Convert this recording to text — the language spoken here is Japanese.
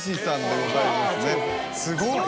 すごい！